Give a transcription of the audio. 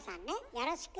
よろしく。